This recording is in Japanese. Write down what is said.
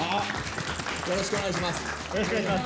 よろしくお願いします。